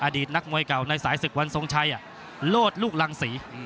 อดีตนักมวยเก่าในสายศึกวันทรงชัยโลศลูกรังศรี